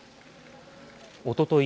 おととい